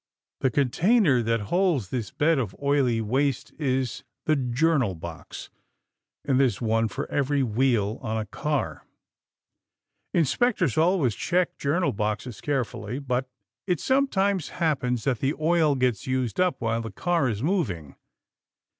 The container that holds this bed of oily waste is the journal box, and there's one for every wheel on a car. Inspectors always check journal boxes carefully, but it sometimes happens that the oil gets used up while the car is moving.